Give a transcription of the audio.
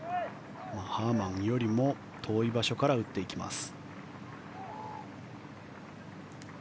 ハーマンよりも遠い場所から打っていきます。